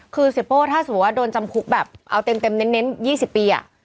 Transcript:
คือเสียโป้ถ้าสมมุติว่าโดนจำคุกแบบเอาเต็มเน้น๒๐ปี